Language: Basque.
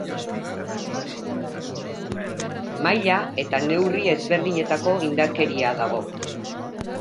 Maila eta neurri ezberdinetako indarkeria dago.